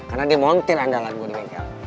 karena dia montir andalan gue di bengkel